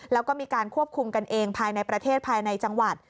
แล้วก็มีการควบคุมกันเองภายในประเทศภายในจังหวัด